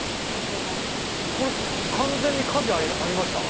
これ完全に火事ありました？